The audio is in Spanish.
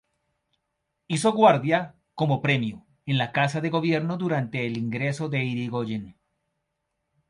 Hizo guardia, como premio, en la Casa de Gobierno durante el ingreso de Yrigoyen.